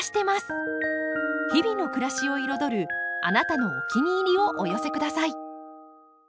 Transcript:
日々の暮らしを彩るあなたのお気に入りをお寄せください。